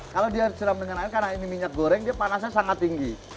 kalau dia disiram dengan air karena ini minyak goreng dia panasnya sangat tinggi